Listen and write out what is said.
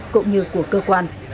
cũng như của cơ quan